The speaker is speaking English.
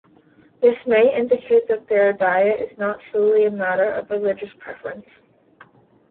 This may indicate that their diet is not solely a matter of religious preference.